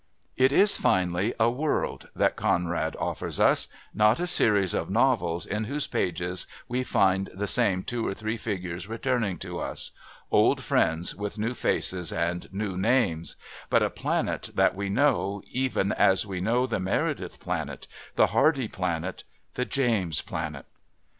It is, finally, a world that Conrad offers us, not a series of novels in whose pages we find the same two or three figures returning to us old friends with new faces and new names but a planet that we know, even as we know the Meredith planet, the Hardy planet, the James planet.